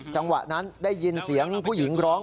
จังหวะนั้นได้ยินเสียงผู้หญิงร้อง